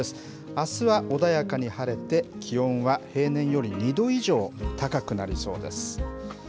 あすは穏やかに晴れて、気温は平年より２度以上高くなりそうです。